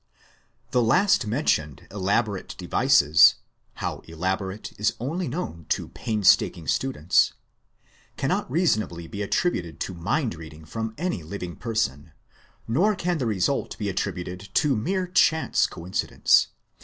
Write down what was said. The last mentioned elaborate devices how elaborate is only known to painstaking students cannot reasonably be attributed to mind reading from any living person; nor can the result be attributed to mere chance coincidence.